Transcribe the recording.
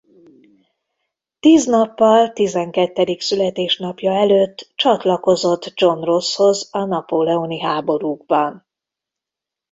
Tíz nappal tizenkettedik születésnapja előtt csatlakozott John Rosshoz a napóleoni háborúkban.